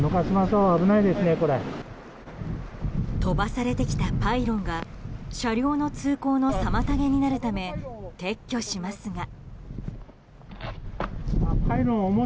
飛ばされてきたパイロンが車両の通行の妨げになるため撤去しますが。